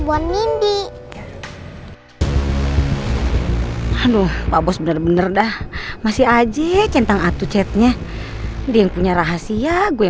buat nindi aduh pak bos bener bener dah masih aja centang atuh chatnya dia punya rahasia gue